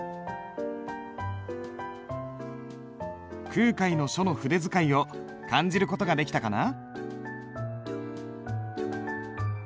空海の書の筆使いを感じる事ができたかな？